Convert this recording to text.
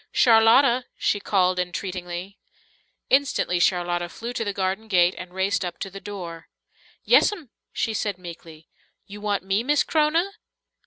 "Charlotta!" she called entreatingly. Instantly Charlotta flew to the garden gate and raced up to the door. "Yes'm," she said meekly. "You want me, Miss C'rona?"